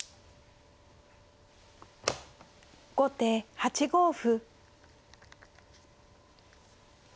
後手８五歩。